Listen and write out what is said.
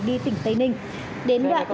đi tỉnh tây ninh đến đoạn